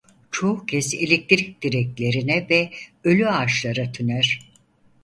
Çoğu kez elektrik direklerine ve ölü ağaçlara tüner.